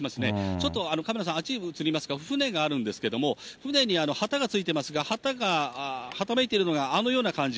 ちょっとカメラさん、あっち映りますか、船があるんですけれども、船に旗がついてますが、旗がはためいているのがあのような感じ。